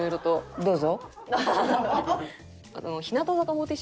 どうぞ。